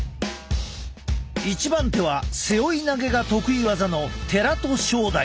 一番手は背負い投げが得意技の寺戸将大。